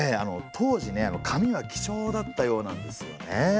当時ね紙は貴重だったようなんですよね。